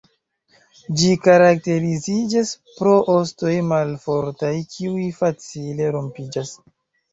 Ĝi karakteriziĝas pro ostoj malfortaj kiuj facile rompiĝas.